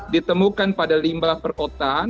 ditemukan pada limbah perkotaan